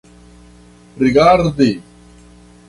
rigardi